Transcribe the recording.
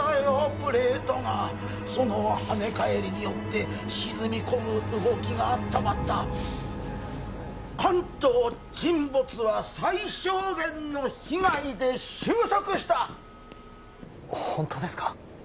プレートがその跳ね返りによって沈み込む動きが止まった関東沈没は最小限の被害で終息したほんとですか？